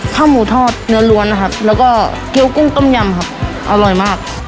ข้าวหมูทอดเนื้อล้วนนะครับแล้วก็เกี้ยวกุ้งต้มยำครับอร่อยมาก